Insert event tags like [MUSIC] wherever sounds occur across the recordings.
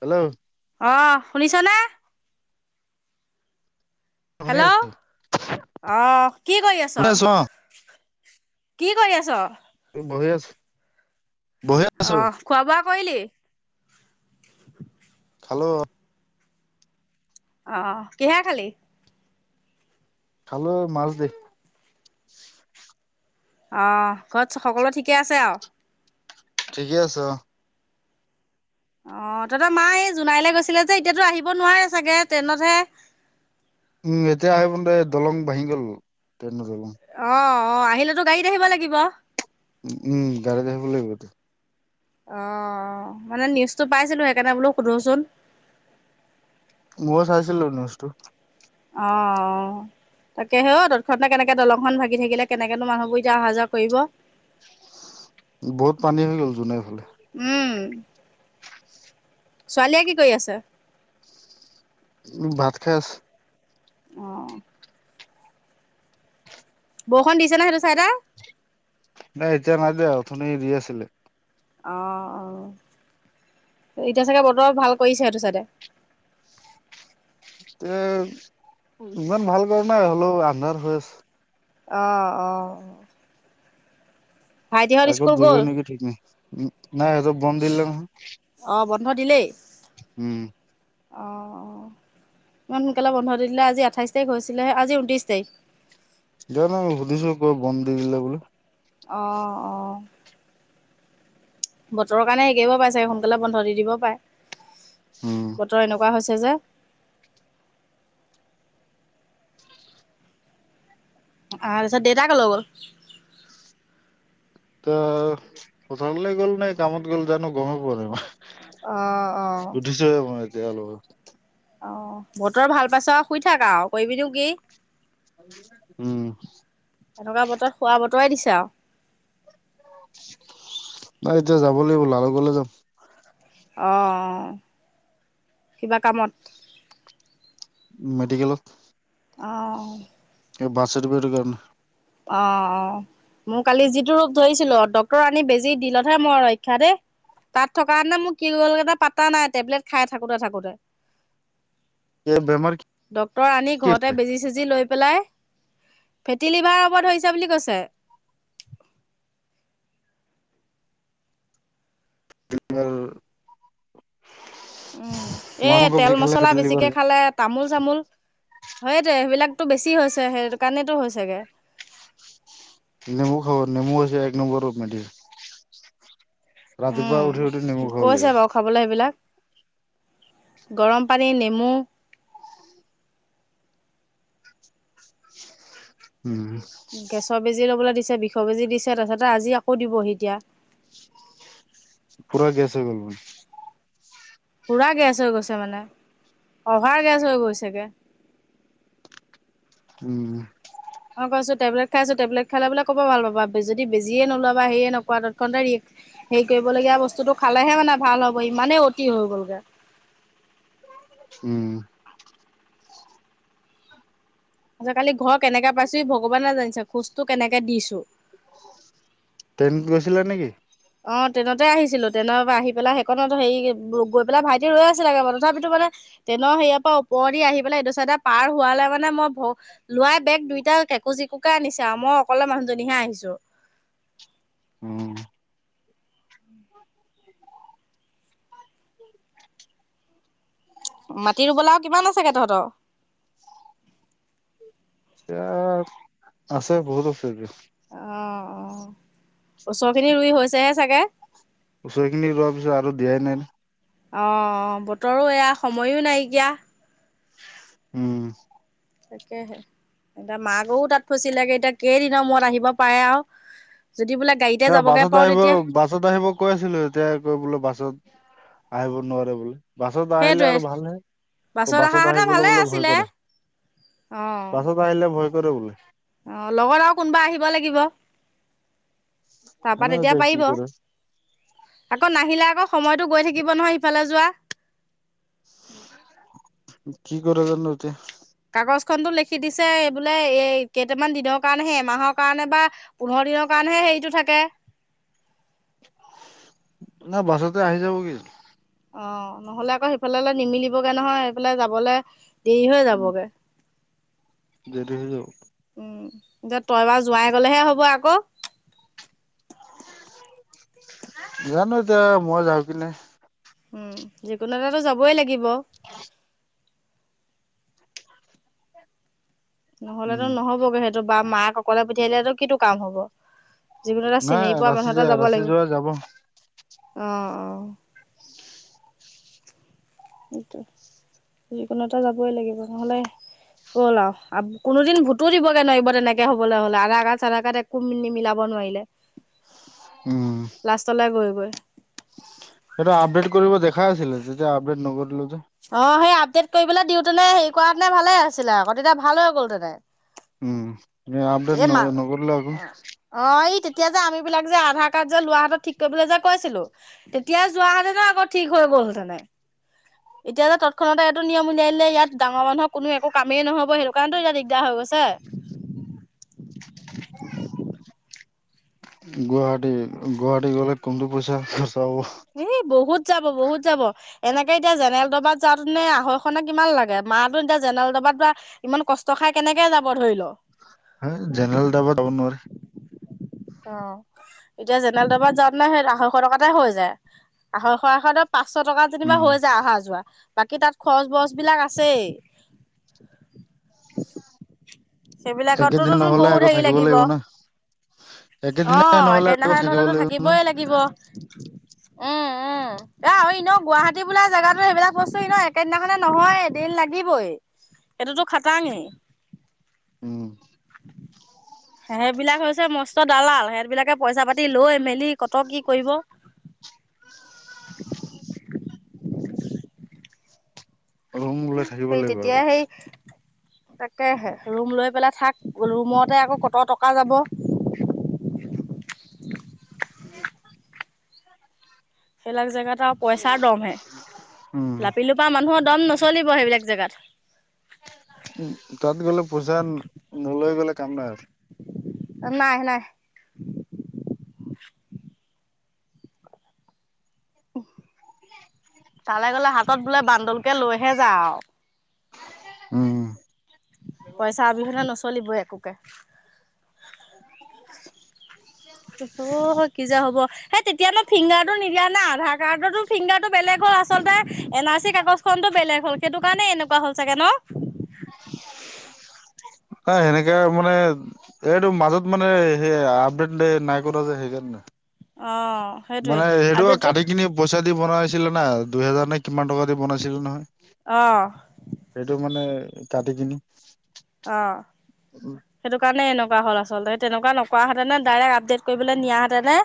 Hello অ' শুনিছনে শুনি হেল্ল' আছো অ' কি কৰি আছ। শুনি আছো অ কি কৰি আছ। বহি আছোঁ। অ' খোৱা বোৱা কৰিলি। খালো অ',। অ‌' কিহে খালি। খালোঁ মাছ দি। অ' ঘৰত সকলো ঠিকে আছে আৰু। ঠিকেই আছে অ' অ' তহত মা এই জোনাইলে গৈছিলে যে এতিয়াতো আহিব নোৱাৰে চাগে ট্ৰেইনতহে। উম এতিয়া আহিব নোৱাৰে দলং ভাঙি গ'ল ট্ৰেইন নচলে। অ' আহিলেতো গাড়ীত আহিব লাগিব। উম গাড়ীত আহিব লাগিব এতিয়া। অ' মানে নিউজটো পাইছিলো সেইকাৰণে বোলো সোধোচোন। মইও চাইছিলো নিউজটো। অ' অ' তাকে হে অ' তৎক্ষণাতে কেনেকে দলংখন ভাগি থাকিলে কেনেকেনো মানুহবোৰ এতিয়া অহা যোৱা কৰিব। [INAUDIBLE] বহুত পানী হৈ গ'ল চোন এইফালে। উম ছোৱালীয়ে কি কৰি আছে। উ ভাত খাই আছে। উম বৰষুণ দিছে নে সেইটো চাইদে। নাই এতিয়া নাই দিয়া অথনি দি আছিলে। অ' অ' এতিয়া চাগে বতৰ ভাল কৰিছে সেইটো চাইডে [INAUDIBLE] এ ইমান ভাল কাৰ নাই হ'লেও আন্ধাৰ হৈ আছ অ', অ' ভাইটিহঁত আজি স্কুল দিব গ'ল? নেকি ঠিক নাই নাই সেইটো বম [UNINTELLIGIBLE] দিলেই উম অ' ইমান সোনকালে বন্ধ দিলে আজি আঠাইছ তাৰিখ হৈছিলে আজি ঊনত্ৰিছ তাৰিখ জানো সুধিছো [UNINTELLIGIBLE] বন্দ দিল বোলে অ' অ' বতৰৰ কাৰণে [UNINTELLIGIBLE] পাই চাগে সোনকালে বন্ধ দি দিব পাৰে উম বতৰ এনেকুৱা হৈছে [INAUDIBLE] [UNINTELLIGIBLE] দেতা কলৈ গল? [UNINTELLIGIBLE] পথাৰলৈ গ'ল নে কামত গ'ল জানো গমেই পোৱা নাই অ', অ' উঠিছোহে [INAUDIBLE] অ' বতৰ ভাল পাইছ আৰু শুই থাক আৰু কৰিবিনো কি? উম এনেকুৱা [INAUDIBLE] নাই এতিয়া যাব লাগিব লালোকলে যাম অ' কিবা কামত? মেডিকেলত অ' এই বাঠচাৰটিফিকেতৰ কাৰণে অ' অ' মোৰ কালি যিটো ৰূপ ধৰিছিলো ডক্টৰ আনি বেজি দিলতহে মই ৰক্ষা দে তাত থকা [UNINTELLIGIBLE] মোৰ কি হল হেতেনে পাত্তা নাই টেবলেট খাই থাকোতে থাকোতে এই বেমাৰ ডক্তৰ আনি কি ঘৰতে বেজি চেজি লৈ [UNINTELLIGIBLE] ফেটি লিভাৰ [UNINTELLIGIBLE] ধৰিছে বুলি কৈছে [INAUDIBLE] উম এই মাংস তেল বেছি খালে মছলা ফেটি লিভাৰ বেছিকে হয়। খালে তামোল চামোল সেইটোয়ে সেইবিলাক [UNINTELLIGIBLE] বেছি হৈছে সেইটো কাৰণেটো হৈছেগে নেমু খাব নেমু হৈছে এক নম্বৰ [UNINTELLIGIBLE] ৰাতিপুৱা উঠি উঠি নেমু উম খাব কৈছে লাগিব। বাৰু খাবলৈ এইবিলাক গৰম পানী নেমু উম, গেছৰ বেজি ল'বলে দিছে বিষৰ বেজি দিছে তাৰপছতে আজি আকৌ দিবহি এতিয়া। পুৰা গেছ হৈ গ'ল। পুৰা গেছ হৈ গৈছে মানে অভাৰ গেছ হৈ গৈছেগে [INAUDIBLE] উম মই কৈছো টেবলেত খাইছো টেবলে খালে বোলে কৰ পৰা ভাল পাবা যদি বেজিয়ে নলোৱা বা সেয়ে নকৰা ততখন্তে ৰিৰ হেৰি কৰিবলগীয়া বস্তুটো খালেহে মানে ভাল হ'ব ইমানেই অতি হৈ গলগৈ। উম কালি ঘৰ কেনেকে পাইছো ভগৱানে জানিছে খোজটো কেনেকে দিছো। ট্ৰেনত গছিলা নেকি? অ, ট্ৰেইনতে আহিছিলো ট্ৰেইনত আহি পেলাই সেইকনত হেৰি গৈ পেলাই ভাইটি ৰৈ আছিলে তথাপিতো [UNINTELLIGIBLE] ট্ৰেইনৰ সেয়াৰ পৰা ওপৰ দি আহি পেলাই এইটো চাইডে পাৰ হোৱালে মানে মই লৰাই বেগ দুইটা কেকোজি কুকাকে আনিছে আও মই অকলে মানুহজনীহে আহিছো উম মাটি ৰুবলে আও কিমান আছেগে তহঁতৰ? এতিয়াত আছে বহুত আছেগে অ', অ ওচৰখিনি ৰুই হৈছেহে চাগে? ওচৰখিনি ৰোৱাৰ পিছত আৰু দিয়াই নাই নহ অ' বতৰো এয়া সময়ো নাইকিয়া উম। তাকেহে এতিয়া মা গৈও তাত ফচিলেগে এতিয়া কেইদিনৰ মূৰত আহিব পাৰে আৰু যদি বোলে গাড়ীতে এ যাবগে বাছত পাৰো আহিব তেতিয়া বাছত আহিব কৈ আছিলো এতিয়া কৈ বোলো বাছত আহিব নোৱাৰে বোলে বাছত আহিলে সেইটোৱে আৰু ভালহে বাছত অহাহেঁতে আহিবলৈ ভালে বোলে ভয় আছিলে কৰে। অ বাছত আহিলে ভয় কৰে বোলে অ' লগত আৰু কোনোবা আহিব লাগিব তাৰপা জানো এতিয়া কি পাৰিব কৰে আকৌ নাহিলে আকৌ সময়টো গৈ থাকিব নহয় সফালে যোৱা কি কৰা জনো এতিয়া কাগজ খন টো লিখি দিছে এই বোলে এই কেইটামান দিনৰ কাৰণেহে এমাহৰ কাৰণে বা পোন্ধৰ দিনৰ কাৰণেহে সেৰিটো থাকে নাই বাছতে আহি যাব কি অ' নহলে আকৌ সেইফালে নিমিলিবগে নহয় সেইফালে যাবলৈ দেৰি হৈ যাবগে যদি যাওঁ এতিয়া তই বাৰ যোৱাই গলেহে হ'ব আকৌ জানো এতিয়া মই যাওঁ কিনে উম যিকোনো এটো যাবই লাগিব অ ' নহলেতো উম নহবগে সেইটো বা মাক অকলে পঠিয়াই দলেটো কিটো কাম হব যিকোনো এটা নাই চিনি পোৱা ৰাচি মানুহটা য যাব ৰাচি লাগিব যোৱা যাব আহ অ' সেইটো যিকোনো এটা যাবই লাগিব নহলে গল আৰু কোনোদিন ভুতো দিবগে নোৱাৰিব তেনেকে হবলৈ হলে আধ কাৰ চাৰ কাৰাট একো নিমিলাব। নোৱাৰিলে উম লাষ্টলৈ গৈ গৈ। সেইটো আপডেট কৰিব দেখাই আছিলে যেতিয়া আপডেট নকৰিলো। যে অ 'সেই আপডেট কৰিবলৈ দিওঁতেনে হেৰি কৰানেে ভালে আছিলে আকৌ তেতিয়া ভাল হৈ গ'ল উম আপডেট হেঁতেনে মাল নকৰিলে আকৌ অ' আহ এই তেতি এতিয়া যে আমি বিলাক যে আধাৰ কাৰ্ড যে লোৱা হাতত ঠিক কৰিবলৈ যে কৈছিলো তেতিয়া যোৱা হাতে ন আকৌ ঠিক হৈ গ'ল। গ'ল হেতেনে এতিয়া যে তৎক্ষণতে এইটো নিয়ম উলিয়া দিলে ইয়াত ডাঙৰ মানুহৰ কোনো একো কামেই নহব সেইটো কাৰণেতো ইয়াত দিগদাৰ হৈ গৈছে গুৱাহাটী গুৱাহাটী গ'লে কমটো পইচা খৰচা হ এ বহুত যাব বহুত যাব এনেকে এতিয়া জেনেল দবাত যাওঁ নে আঢৈ খনে কিমান লাগে মা টো এতিয়া জেনেৰেল ডাবত ইমান কষ্ট খাই কেনেকে যাব ধৰি ল অ' জেলনেৰেল দবাত যাব নোৱাৰি অ' এতিয়া জেনেল তবাত যাৱাত নে সেই আঢ়ৈশ টকাতে হৈ যায় আঢ়ৈশ আশ পাঁচশ টকা যেনিবা উম হৈ যায় অহা যোৱা বাকী তাত খৰচ বছ বিলাক আছে একেদিন নহলে আকৌ থাকিব লাগিব না একেদিনাই অ' নহ'লে একেই দিনা আকৌ খনে থাকিব নহলেতো লাগিব নহয়। থাকিবই লাগিব উম উম এ ই ন গুৱাহাটী বোলা জেগাতো সেইবিলাক বস্তু ন একেইদিনাখনে নহয় দিন লাগিবই এইটোতো খটাঙেই উম সেইবিলাক হৈছে মস্ত দালাল সেইহতবিলাকে পইচা পাতি লৈ মেলি। ক'ত কি কৰিব ৰুম লৈ থাকিব সেই লাগিব তেতিয়া আকৌ। সেই। তাকেহে ৰুম লৈ পেলাই থাক ৰুমতে আকৌ কতৰ টকা যাব উ'ম। সেইবিলাক জেগাত আৰু পইচাৰ দম হে উম, লাপিলোপ মানুহত দম নচলিব সেইবিলাক জেগাত উ'ম তাত গ'লে পইচা নলৈ গ'লে কাম নাই আৰু নাই নাই, তালৈ গলে হাতত বোলে বান্দলকে লৈহে যা আৰু উম। পইচা অবিহনে নচলিবই একোকে, ত হয় কি যে হ'ব সেই তেতিয়াানো ফিংগাৰটো নিদিয়া না আধাৰ কাৰ্ডৰো ফিংগাৰটো বেলেগ হয়। আচলতে এন আৰ চি কাগজ খটো বেলেগ হ'ল সেইটো কাৰণে এনেকুৱা হ'ল চাগে ন ন সেনেকাে মানে এইটো মাজত মানে স আপডেট নাই কৰাত যে সেইকাৰণে অ সেইটোৱে মানে সেইটো আপডেটটো কাটি কিনি পইচা দি বনাই, ছিলে না দুইহেজাৰ নে কিমান টকা দি বনাইছিলে নহয় অ সেইটো মানে, কাটিকিনি, অ' সেইটো কাৰণে এনেকুৱা হ'ল আচলতে তেনেকুৱা নক হেতেনে ডাইৰেক্ট আপডেট কৰিবলৈ নিয়াহ হেতেনে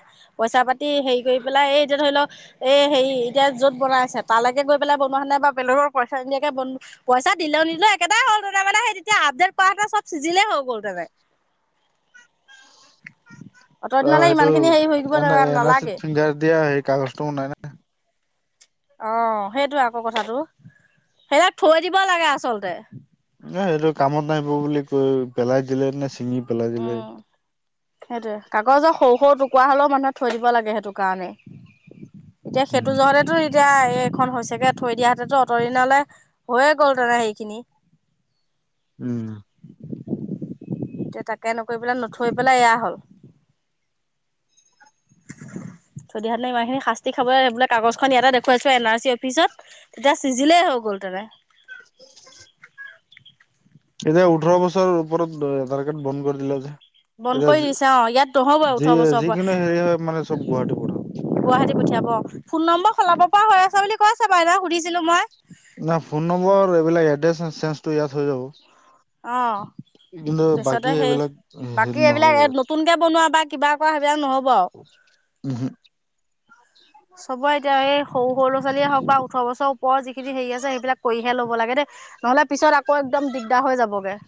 পইচা পাতি হেৰি কৰি পেলাই। এই এতিয়া ধৰি লওক এই হেৰি এতিয়া য'ত বনাইছে তালৈকে গৈ পেলাই বনোৱা নে বা পেলৰৰ পইচা এনিয়াকে ব, পইচা দিলেও নিদেও একেটাই হ'ল তাৰ মানে সেই এতিয়া আপদাৰ পাহাৰটা চব চিজিলে হৈ গ'ল ততে, অ' সেইটো এ এন আৰ নালাগে। চিত ফিংগাৰ দিয়া সেই কাগজটো নাই ন আহ সেইটো আকৌ কথাতটো সেইবাক থৈ দিব লাগে আচলতে, নাই সেইটো কামত নাহিব বুলি কৈ পেলাই দিলে ন। উম সেইটয়ে কাগজৰ সৰু সৰু, কুৱৰা হ'লেও মানুহে থৈ দিব লাগে সেইটো কাৰণে এতিয়া সেইটো উম। জতেতো এতিয়া এইখন হৈছেগে থৈ দিয়াহ হাতেতো অঁতৰ দ নালৈ হৈয়ে গ'ল তেনে সেইখিনি উম এতিয়া তাকে নকৰি পেলাই নথৈ পেলাই এয়া হ'ল, যদি ইমান খিনি শাস্তি খাবই লাগে। কাগজখন ইয়াতে দেখুৱাইছো। এল আই চি অফিচত তেতিয়া চিজিলেই হওকঁ। গ'ল ত নে এতিয়া ওঠৰ বছৰৰ ওপৰত আধাৰ কাৰ্ড বন্ধ কৰি দিলে যে, বন্ধ এতিয়া কৰি দিছে অ ইয়াত নহ'বই যি ওঠৰ বছৰৰ পৰা যিকোনো হেৰি হয় মানে চব গুৱাহাটী পঠও গুৱাহাটী পঠিয়াব ফোন নম্বৰ সলাব পৰা হৈ আছে বুলি কৈছে বাইদেউ সুধিছিলো মই ন ফোন নম্বৰ এইবিলাক এড্ৰেছ চেঞ্জটো ইয়াত হৈ যাব। আহ। কিন্তু বাকী তাৰছতে সেই এইবিলাক হেৰি বাকী নহ'ব এইবিলাক নতুনকে বনোৱা বা কিবা কৰা সেইবিলাক নহ'ব আৰু, উম হু চবৰে এতিয়া এই সৰু সৰু ল'ৰাোৱালীয়ে হওক বা ওঠৰ বছৰ ওপৰত যিখিনি হেৰি আছে সেইবিলাক কৰিহে ল'ব লাগে দেই নহলে পিছত আকৌ একদম দিগদাৰ হৈ যাবগে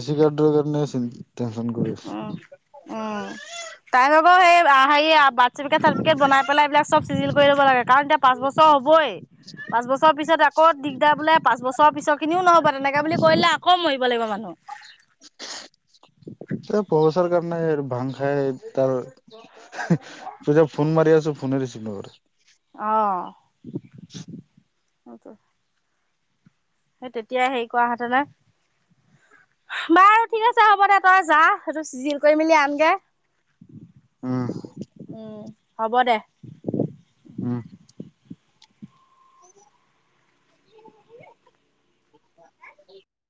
ঋষিকডৰ। উ উম তাই আকৌ সেই হে চাৰটিকেট চাৰটিফে বনাইেল এইবিলাকবিজিল কৰি লাগ কাৰণ এতিয়া পাঁছৰ হ'বই পাঁচ বছৰৰ পিছত আকৌ দিগদাৰ বোলে পাঁচ বছৰৰ পিছ খিনিও নহ'ব তেনেকা বুলি কৰিলে আকৌ মৰিব, লাগিব মানুহ, এ বৰ চৰকাৰ নাই আৰু, ভাং খাই তাৰ তই যে ফোন মাৰি আছো ফোনে ৰিচিভ নকৰে। অ [INAUDIBLE] [UNINTELLIGIBLE] সেই তেতিয়াই হেৰি কৰা হেতেন না। বাৰু ঠিক আছে হ'ব দে তই যা এইটো চিজিল কৰি মেলি আনগে উমহ হ'ব দে। উম। [UNINTELLIGIBLE]